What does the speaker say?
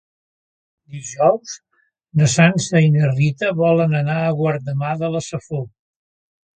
Dijous na Sança i na Rita volen anar a Guardamar de la Safor.